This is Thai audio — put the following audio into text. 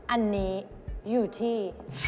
อันนี้อยู่ที่